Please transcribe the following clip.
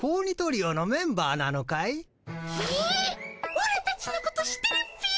オラたちのこと知ってるっピ？